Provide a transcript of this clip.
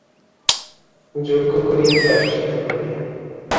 যজ্ঞ করিয়া প্রায়শ্চিত্ত করিলেন।